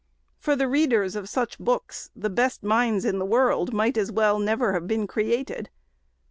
For the readers of such books, the best minds in the world might as well have never been created.